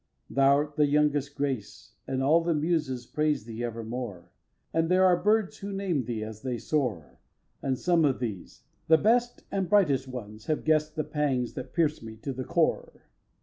Thou'rt the youngest Grace, And all the Muses praise thee evermore. And there are birds who name thee as they soar; And some of these, the best and brightest ones, Have guess'd the pangs that pierce me to the core.